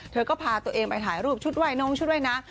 เธอก็พาตัวเองไปถ่ายรูปชุดว่ายน้องชุดว่ายน้ำ